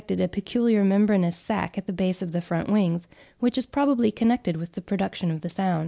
123) a peculiar membranous sac at the base of the front wings, which is probably connected with the production of the sound.